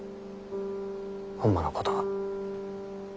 ホンマのことは。